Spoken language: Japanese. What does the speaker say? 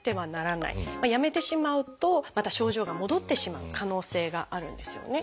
やめてしまうとまた症状が戻ってしまう可能性があるんですよね。